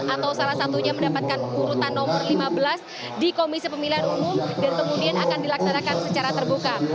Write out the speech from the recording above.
atau salah satunya mendapatkan urutan nomor lima belas di komisi pemilihan umum dan kemudian akan dilaksanakan secara terbuka